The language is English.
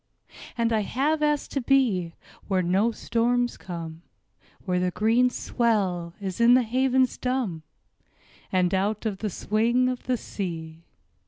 And I have asked to be Where no storms come, Where the green swell is in the havens dumb, And out of the swing of the sea.